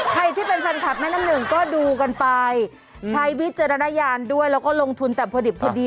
ใครที่เป็นแฟนคลับแม่น้ำหนึ่งก็ดูกันไปใช้วิจารณญาณด้วยแล้วก็ลงทุนแต่พอดิบพอดี